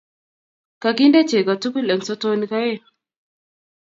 Kakinde chego tugul eng sotonik aeng